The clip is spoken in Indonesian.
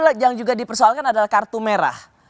jelek yang juga dipersoalkan adalah kartu merah